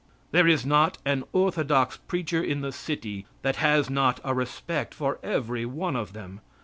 There is not an orthodox preacher in the city that has not a respect for every one of them.